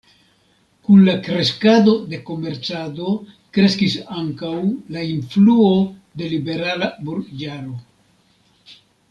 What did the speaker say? Kun la kreskado de komercado kreskis ankaŭ la influo de liberala burĝaro.